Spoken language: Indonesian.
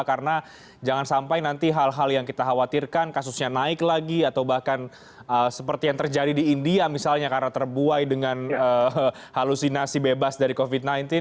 karena jangan sampai nanti hal hal yang kita khawatirkan kasusnya naik lagi atau bahkan seperti yang terjadi di india misalnya karena terbuai dengan halusinasi bebas dari covid sembilan belas